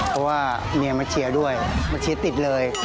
เพราะว่าเมียมาเชียร์ด้วยมาเชียร์ติดเลย